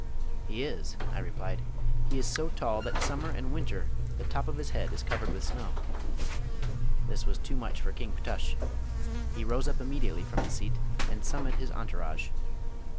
"He is," I replied. "He is so tall that summer and winter the top of his head is covered with snow." This was too much for King Ptush. He rose up immediately from his seat and summoned his entourage.